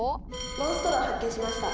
「モンストロ発見しました。